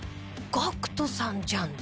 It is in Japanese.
ＧＡＣＫＴさんじゃんって。